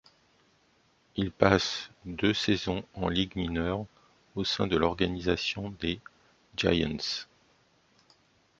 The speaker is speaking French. Il passe deux saisons en Ligues mineures au sein de l'organisation des Giants.